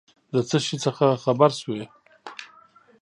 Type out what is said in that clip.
د څه شي څخه خبر سوې ؟